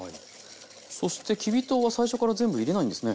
そしてきび糖は最初から全部入れないんですね。